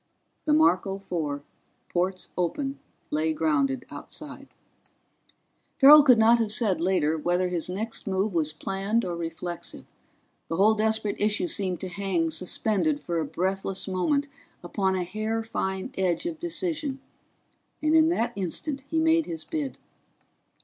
The Marco Four, ports open, lay grounded outside. Farrell could not have said, later, whether his next move was planned or reflexive. The whole desperate issue seemed to hang suspended for a breathless moment upon a hair fine edge of decision, and in that instant he made his bid.